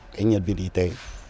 cái nhân viên y tế